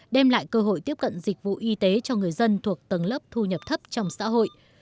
đem lại cơ hội tiếp cận dịch vụ y tế cho người dân thuộc tầng lớp thu nhập thấp trong xã hội